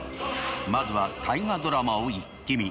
まずは「大河ドラマ」をイッキ見！